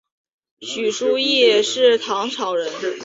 许叔冀是唐朝人。